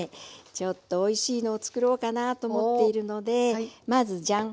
ちょっとおいしいのを作ろうかなと思っているのでまずジャン。